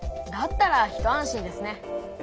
だったら一安心ですね。